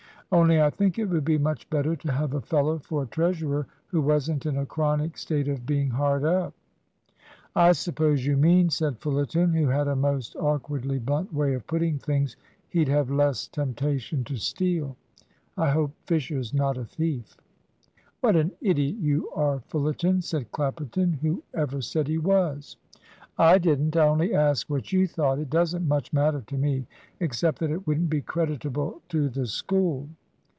Only I think it would be much better to have a fellow for treasurer who wasn't in a chronic state of being hard up." "I suppose you mean," said Fullerton, who had a most awkwardly blunt way of putting things, "he'd have less temptation to steal. I hope Fisher's not a thief." "What an idiot you are, Fullerton!" said Clapperton; "whoever said he was?" "I didn't. I only asked what you thought. It doesn't much matter to me, except that it wouldn't be creditable to the School."